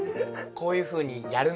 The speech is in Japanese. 「こういうふうにやるんだよ」。